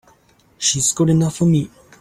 She's good enough for me!